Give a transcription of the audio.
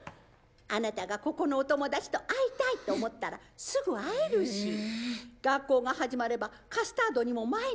あなたがここのお友達と会いたいと思ったらすぐ会えるし学校が始まればカスタードにも毎日会えますよ。